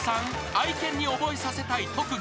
愛犬に覚えさせたい特技］